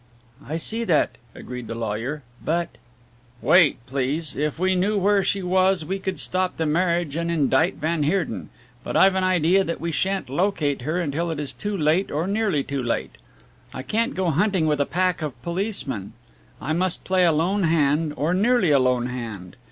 "I see that," agreed the lawyer, "but " "Wait, please. If we knew where she was we could stop the marriage and indict van Heerden but I've an idea that we shan't locate her until it is too late or nearly too late. I can't go hunting with a pack of policemen. I must play a lone hand, or nearly a lone hand.